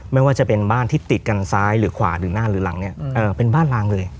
ไม่ว่าจะเป็นบ้านที่ติดกันซ้ายหรือขวาหรือหน้าหรือหลังเนี่ยเป็นบ้านลางเลย